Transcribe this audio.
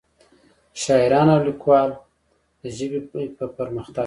شاعران او ليکوال دَ ژبې پۀ پرمخ تګ